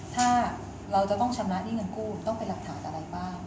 ถ้าเราจะต้องชำระหนี้เงินกู้ต้องเป็นหลักฐานอะไรบ้าง